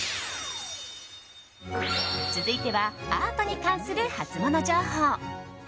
続いては、アートに関するハツモノ情報。